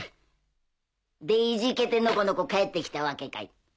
でいじけてのこのこ帰って来たわけかい。